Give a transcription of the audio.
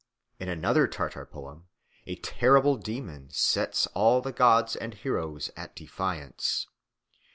In another Tartar poem a terrible demon sets all the gods and heroes at defiance.